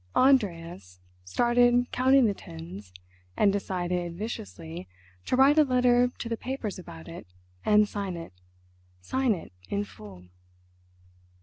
Andreas started counting the tins, and decided, viciously, to write a letter to the papers about it and sign it—sign it in full.